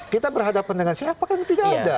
kita berhadapan dengan siapa kan tidak ada